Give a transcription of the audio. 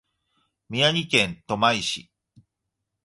宮城県登米市